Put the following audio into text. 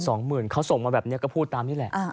สองหมื่นเขาส่งมาแบบนี้ก็พูดตามนี่แหละ